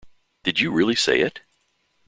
Did you really say it?